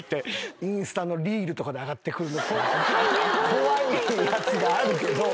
怖いやつがあるけど。